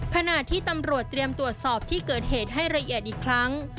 ขณะที่ตำรวจเตรียมตรวจสอบที่เกิดเหตุให้ละเอียดอีกครั้ง